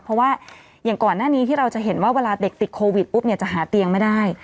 เพราะว่าอย่างก่อนหน้านี้ที่เราจะเห็นว่าเวลาเด็กติดโควิดปุ๊บเนี่ยจะหาเตียงไม่ได้